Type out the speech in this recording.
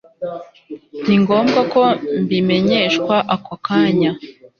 Ni ngombwa ko mbimenyeshwa ako kanya